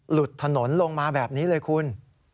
หลุดถนนลงมาแบบนี้เลยคุณ